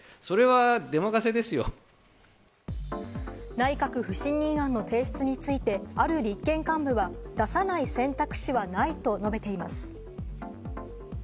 内閣不信任案の提出について、ある立憲幹部は、出さない選択肢はないと述べています。